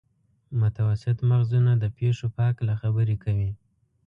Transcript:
متوسط مغزونه د پېښو په هکله خبرې کوي.